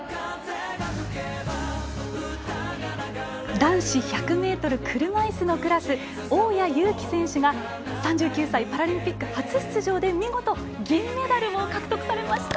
男子１００ｍ車いすのクラス大矢勇気選手が３９歳、パラリンピック初出場で見事、銀メダルを獲得されました。